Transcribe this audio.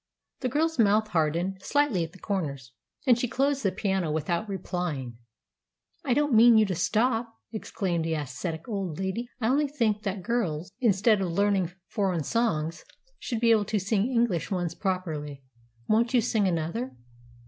The girl's mouth hardened slightly at the corners, and she closed the piano without replying. "I don't mean you to stop," exclaimed the ascetic old lady. "I only think that girls, instead of learning foreign songs, should be able to sing English ones properly. Won't you sing another?"